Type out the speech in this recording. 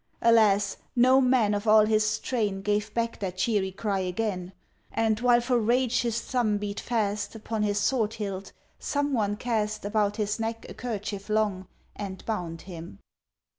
Alas! no man of all his train Gave back that cheery cry again; And, while for rage his thumb beat fast Upon his sword hilt, some one cast About his neck a kerchief long, And bound him.